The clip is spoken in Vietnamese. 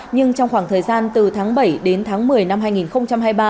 nhưng trong khoảng thời gian từ tháng bảy đến tháng một mươi năm hai nghìn hai mươi ba